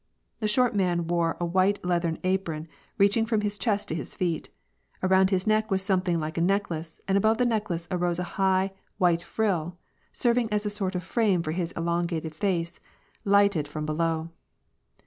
The short man wore a white leathern apron reaching from his chest to his feet ; around his neck was something like a necklace, and above the necklace arose a high, white frill, serv ing as a sort of frame for his elongated face, lighted from be low.